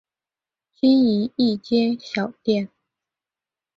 经营一间小店